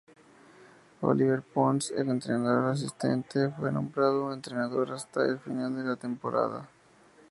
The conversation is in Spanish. Olivier Pons, el entrenador asistente, fue nombrado entrenador hasta el final de la temporada.